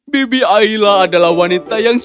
bibi aila adalah wanita yang senang hati